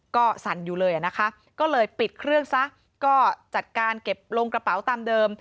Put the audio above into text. ก็สั่นอยู่เลยนะคะก็เลยปิดเครื่องซะก็จัดการเก็บลงกระเป๋าตามเดิม